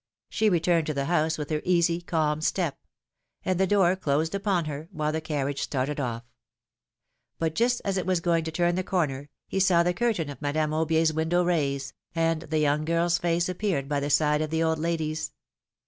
She returned to the house with her easy, calm step; and the door closed upon her, while the carriage started off. But just as it was going to turn the corner, he saw the curtain of Madame Aubier's philomene's marriages. 199 . window raise, and the young girFs face appeared by the side of the old lady's.